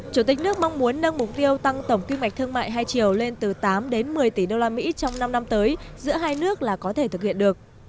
chủ tịch nước mong muốn nâng mục tiêu tăng tổng kinh mạch thương mại hai triệu lên từ tám đến một mươi tỷ usd trong năm năm tới giữa hai nước là có thể thực hiện được